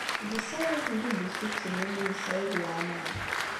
Yessaweḍ ad tent-id-yessukkes Lyamin n Saɛid Waɛmeṛ.